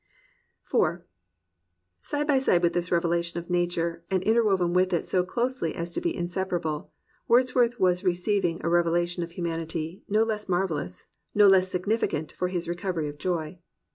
IV Side by side with this revelation of Nature, and interwoven with it so closely as to be inseparable, Wordsworth was receiving a revelation of humanity, no less marvellous, no less significant for his re covery of joy.